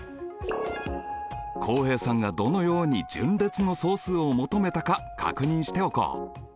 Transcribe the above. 浩平さんがどのように順列の総数を求めたか確認しておこう。